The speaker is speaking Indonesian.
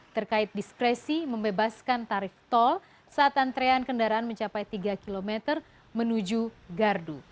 terkait diskresi membebaskan tarif tol saat antrean kendaraan mencapai tiga km menuju gardu